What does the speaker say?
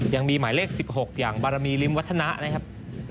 ยังมีหมายเลข๑๖อย่างบารมีริมวัฒนะนะครับ